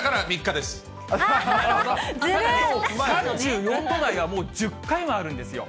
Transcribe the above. ３４度台がもう１０回もあるんですよ。